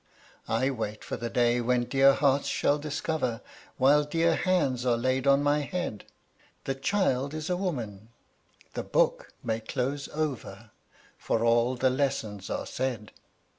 I wait for the day when dear hearts shall discover, While dear hands are laid on my head; "The child is a woman, the book may close over, For all the lessons are said."